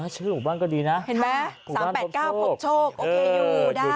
ชื่อหมู่บ้านก็ดีนะเห็นไหม๓๘๙พบโชคโอเคอยู่ได้